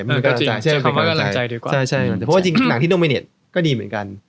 เพราะว่าจริงหนังที่โดมิเนตก็ดีเหมือนกัน